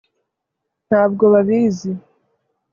ntabwo babizi